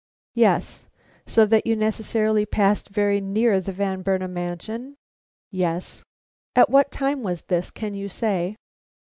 "Yes." "So that you necessarily passed very near the Van Burnam mansion?" "Yes." "At what time was this, can you say?"